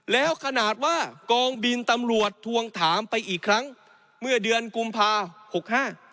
แล้วขนาดว่ากองบินตำรวจทวงถามไปอีกครั้งเมื่อเดือนกุมภาหกห้า